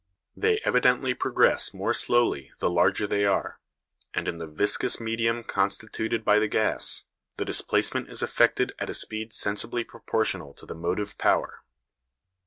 They evidently progress more slowly the larger they are; and in the viscous medium constituted by the gas, the displacement is effected at a speed sensibly proportional to the motive power.